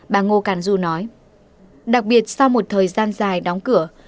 bà ngô càn du nói đặc biệt sau một thời gian dài đóng cửa